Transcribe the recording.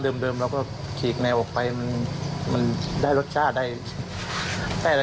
เดิมแล้วก็ฉีกแนวออกไปมันมันได้รสชาติได้แต่อะไร